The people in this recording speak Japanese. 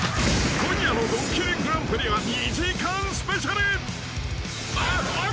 ［今夜の『ドッキリＧＰ』は２時間スペシャル］